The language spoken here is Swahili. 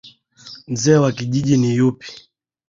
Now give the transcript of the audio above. Mzee wa kijiji ni yupi?